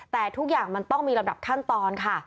แต่ทุกอย่างมันต้องมีลำดับขั้นตอนค่ะ